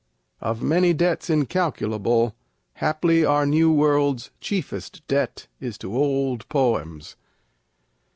(Of many debts incalculable, Haply our New World's chieftest debt is to old poems.)